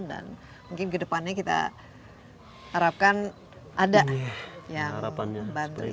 dan mungkin kedepannya kita harapkan ada yang bantu